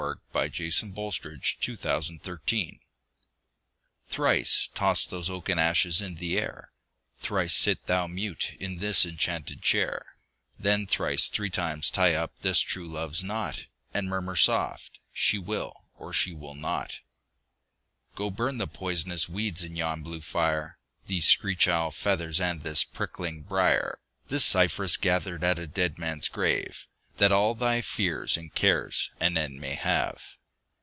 Thomas Campion Thrice Toss Those Oaken Ashes in the Air THRICE toss those oaken ashes in the air; Thrice sit thou mute in this enchanted chair; Then thrice three times tie up this true love's knot, And murmur soft: "She will, or she will not." Go burn those poisonous weeds in yon blue fire, These screech owl's feathers and this prickling briar, This cypress gathered at a dead man's grave, That all thy fears and cares an end may have.